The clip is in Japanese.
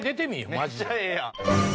めっちゃええやん。